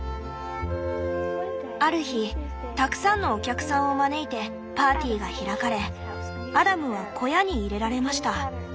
「ある日たくさんのお客さんを招いてパーティーが開かれアダムは小屋に入れられました。